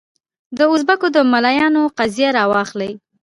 د اوزبکو د ملایانو قضیه راواخلې.